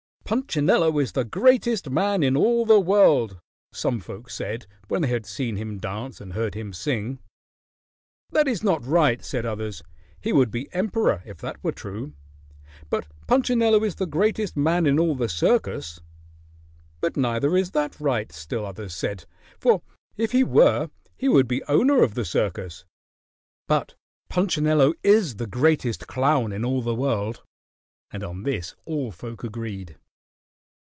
"Punchinello is the greatest man in all the world," some folk said when they had seen him dance and heard him sing. "That is not right," said others. "He would be emperor if that were true; but Punchinello is the greatest man in all the circus." "But neither is that right," still others said. "For if he were, he would be owner of the circus. But Punchinello is the greatest clown in all the world." And on this all folk agreed.